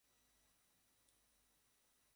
ওয়েটারের মতো সেজে আছো কেন?